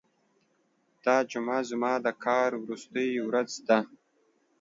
دا جمعه زما د کار وروستۍ ورځ ده.